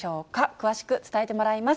詳しく伝えてもらいます。